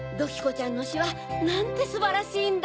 ちゃんのしはなんてすばらしいんだ！